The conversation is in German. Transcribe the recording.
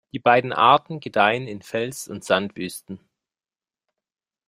Die beiden Arten gedeihen in Fels- und Sandwüsten.